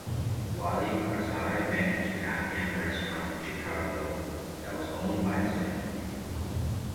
Wali Karzai managed an Afghan restaurant in Chicago that was owned by his family.